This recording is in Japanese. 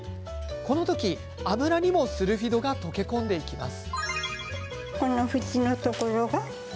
この時、油にもスルフィドが溶け込んでいきます。